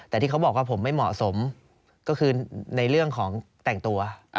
แต่ที่เขาบอกว่าผมไม่เหมาะสมก็คือในเรื่องของแต่งตัว